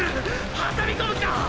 挟み込む気だ！